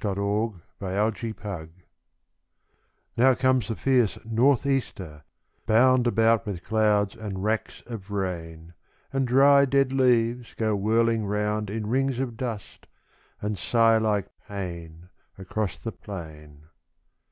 The Hut by the Black Swamp Now comes the fierce north easter, bound About with clouds and racks of rain, And dry, dead leaves go whirling round In rings of dust, and sigh like pain Across the plain.